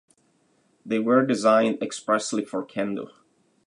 They were designed expressly for kendo.